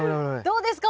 どうですか？